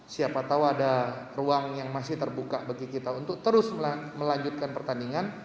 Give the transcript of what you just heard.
siapa tahu ada ruang yang masih terbuka bagi kita untuk terus melanjutkan pertandingan